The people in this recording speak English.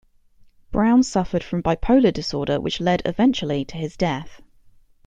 Brown suffered from bipolar disorder which led eventually to his death.